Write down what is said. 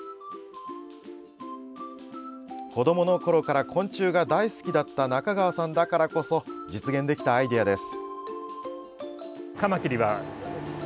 子どものころから昆虫が大好きだった中川さんだからこそ実現できたアイデアです。